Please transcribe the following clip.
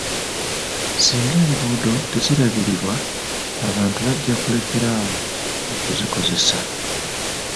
Singa enguudo tezirabirirwa, abantu bajja kulekera awo okuzikozesa.